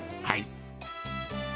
はい。